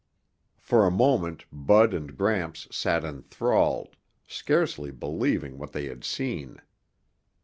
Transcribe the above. For a moment Bud and Gramps sat enthralled, scarcely believing what they had seen.